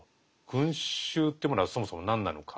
群衆というものはそもそも何なのか？